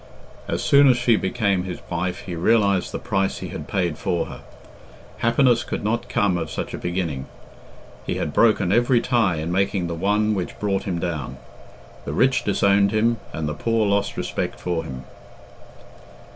As soon as she became his wife he realised the price he had paid for her. Happiness could not come of such a beginning. He had broken every tie in making the one which brought him down. The rich disowned him, and the poor lost respect for him.